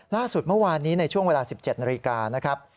ล่าสุดเมื่อวานนี้ในช่วงเวลา๑๗นาฬิกานะครับ